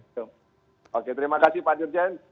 oke terima kasih pak dirjen